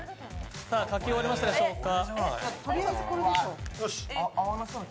書き終わりましたでしょうか。